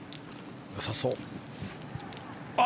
よさそう。